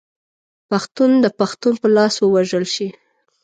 پښتون د پښتون په لاس ووژل شي.